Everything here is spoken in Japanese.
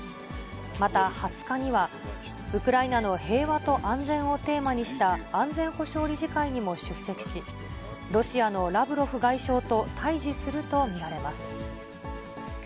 また、２０日にはウクライナの平和と安全をテーマにした安全保障理事会にも出席し、ロシアのラブロフ外相と対じすると見られます。